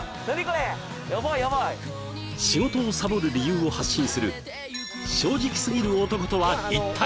これやばいやばい仕事をサボる理由を発信する正直すぎる男とは一体！？